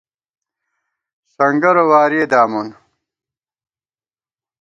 سنگَرہ وارِئےدامون